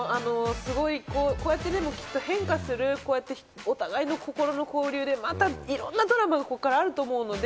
すごいこうやってね、変化するお互いの心の交流でまたいろんなドラマがここからあると思うので。